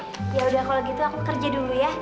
yaudah kalau gitu aku kerja dulu ya